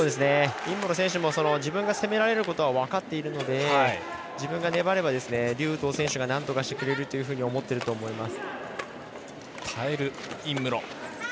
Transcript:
尹夢ろ選手も自分が攻められることは分かっているので自分が粘れば劉禹とう選手がなんとかしてくれると思っていると思います。